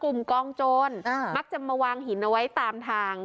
กลุ่มกองโจรมักจะมาวางหินเอาไว้ตามทาง